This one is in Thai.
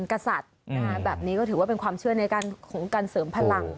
กษัตริย์แบบนี้ก็ถือว่าเป็นความเชื่อในการเสริมพลัง